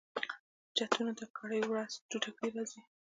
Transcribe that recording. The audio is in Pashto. چتونو ته کرۍ ورځ توتکۍ راځي